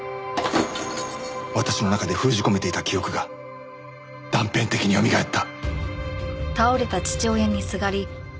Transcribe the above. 私の中で封じ込めていた記憶が断片的によみがえった。